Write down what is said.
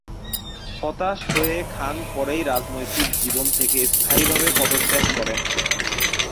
হতাশ হয়ে খান পরেই রাজনৈতিক জীবন থেকে স্থায়ীভাবে পদত্যাগ করেন।